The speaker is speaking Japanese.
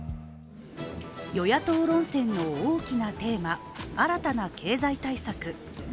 与野党論戦の大きなテーマ、新たな経済対策。